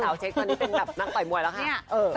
เช็คตอนนี้เป็นแบบนักต่อยมวยแล้วค่ะ